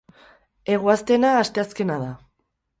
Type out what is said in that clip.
Eguaztena asteazkena da.